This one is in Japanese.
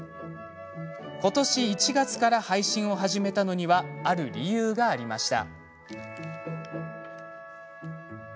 ことし１月から配信を始めたのにはある理由がありました。